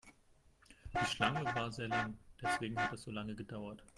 Die Schlange war sehr lang, deswegen hat es so lange gedauert.